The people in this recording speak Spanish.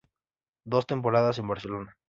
Dos temporadas en Barcelona.